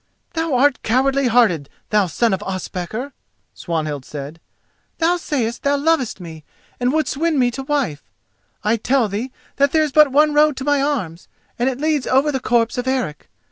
"Thou art cowardly hearted, thou son of Ospakar!" Swanhild said. "Thou sayest thou lovest me and wouldest win me to wife: I tell thee that there is but one road to my arms, and it leads over the corpse of Eric.